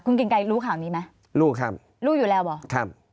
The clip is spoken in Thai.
คุณกิ่งไกรรู้ข่าวนี้ไหมลูกครับลูกอยู่แล้วเหรอครับ